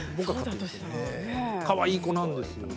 かわいい子なんですよ。